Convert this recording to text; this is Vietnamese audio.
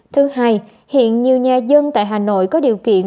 thứ hai hiện nhiều nhà dân tại hà nội có điều kiện